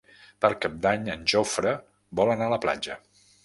Per Cap d'Any en Jofre vol anar a la platja.